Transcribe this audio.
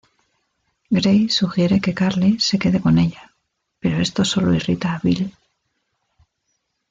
Grey sugiere que Curly se quede con ella, pero esto sólo irrita a Bil.